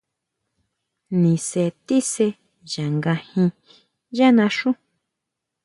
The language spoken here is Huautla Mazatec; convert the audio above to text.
Nise tíse ya ngajín yá naxú.